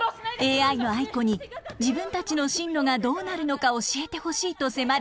ＡＩのアイコに自分たちの進路がどうなるのか教えてほしいと迫る生徒たち。